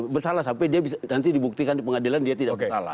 bersalah sampai dia nanti dibuktikan di pengadilan dia tidak bersalah